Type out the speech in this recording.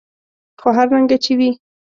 خو هر رنګه چې وي.